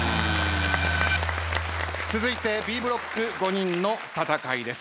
続いてＢブロック５人の戦いです。